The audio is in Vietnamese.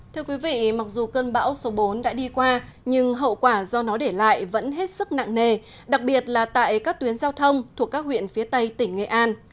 thưa quý vị mặc dù cơn bão số bốn đã đi qua nhưng hậu quả do nó để lại vẫn hết sức nặng nề đặc biệt là tại các tuyến giao thông thuộc các huyện phía tây tỉnh nghệ an